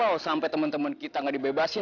kalau sampai temen temen kita gak dibebasin